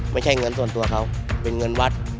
ไม่ใช่เงินส่วนตัวเขาเป็นเงินวัด